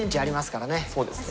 そうです。